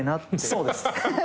そうです！